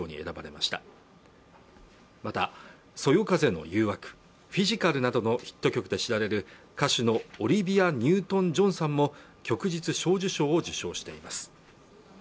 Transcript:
また「そよ風の誘惑」「フィジカル」などのヒット曲で知られる歌手のオリビア・ニュートン・ジョンさんも旭日小綬章を受章しています